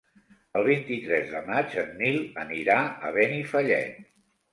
El vint-i-tres de maig en Nil anirà a Benifallet.